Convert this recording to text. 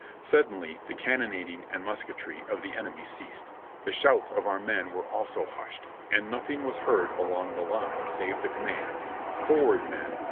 Suddenly the cannonading and musketry of the enemy ceased. The shouts of our men were also hushed, and nothing was heard along the line save the command. 'Forward, men!